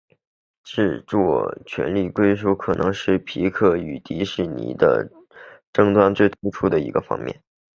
制作续集权利的归属可能是皮克斯与迪士尼的争端最突出的一个方面。